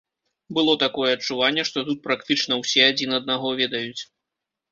Было такое адчуванне, што тут практычна ўсе адзін аднаго ведаюць.